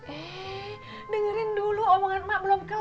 eh dengerin dulu omongan emak belum ke